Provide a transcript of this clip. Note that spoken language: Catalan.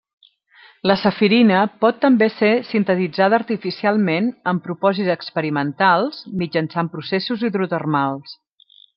La Safirina pot també ser sintetitzada artificialment amb propòsits experimentals mitjançant processos hidrotermals.